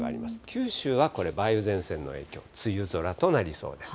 九州はこれ、梅雨前線の影響、梅雨空となりそうです。